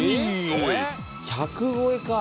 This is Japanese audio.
１００超えか！